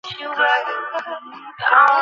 দেয়ালেরও কান থাকে, জানো নিশ্চয়ই।